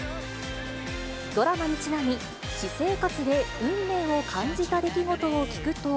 ドラマにちなみ、私生活で運命を感じた出来事を聞くと。